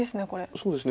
そうですね。